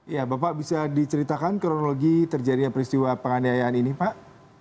ya bapak bisa diceritakan kronologi terjadinya peristiwa penganiayaan ini pak